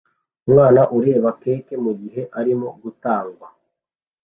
Umwana ureba keke mugihe arimo gutangwa